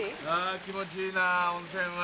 気持ちいいなぁ温泉は。